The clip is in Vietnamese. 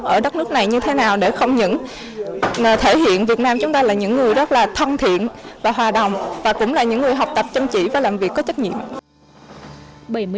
ở đất nước này như thế nào để không những thể hiện việt nam chúng ta là những người rất là thân thiện và hòa đồng và cũng là những người học tập chăm chỉ và làm việc có trách nhiệm